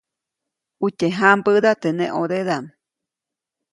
Utye jãmbäda teʼ neʼ ʼõdedaʼm.